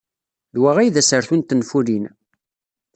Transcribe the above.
D wa ay d asartu n tenfulin.